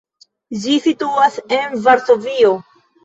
Ĝi situas en Varsovio.